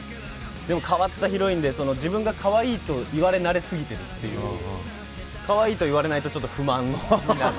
でも変わったヒロインで自分がかわいいと言われ慣れすぎているというかわいいと言われないとちょっと不満になる。